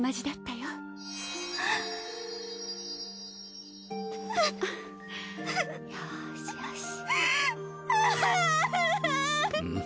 よしよし。